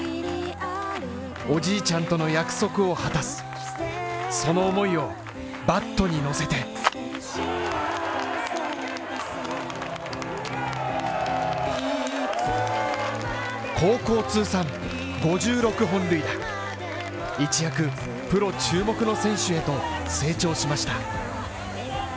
おじいちゃんとの約束を果たす、その思いをバットに乗せて高校通算５６本塁打、一躍プロ注目の選手へと成長しました。